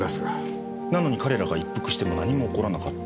なのに彼らが一服しても何も起こらなかった。